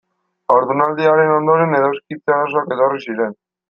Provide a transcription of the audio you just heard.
Haurdunaldiaren ondoren edoskitze arazoak etorri ziren.